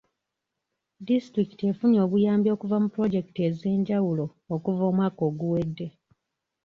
Disitulikiti efunye obuyambi okuva mu pulojekiti ez'enjawulo okuva omwaka oguwedde.